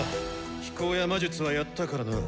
飛行や魔術はやったからな。